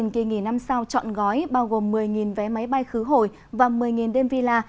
kỳ nghỉ năm sau chọn gói bao gồm một mươi vé máy bay khứ hồi và một mươi đêm villa